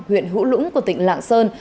huyện hữu lũng của tỉnh lạng sơn